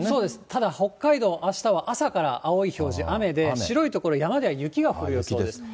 ただ、北海道、あしたは朝から青い表示、雨で、白い所、山では雪が降る予想です。